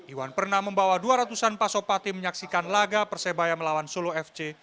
iwan pernah membawa dua ratus an pasopati menyaksikan laga persebaya melawan solo fc